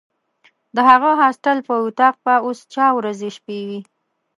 د هغه هاسټل په وطاق به اوس چا ورځې شپې وي.